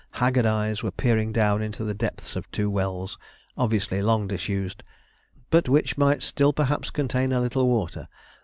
haggard eyes were peering down into the depths of two wells, obviously long disused, but which might still perhaps contain a little water.